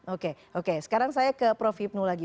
oke oke sekarang saya ke prof hipnu lagi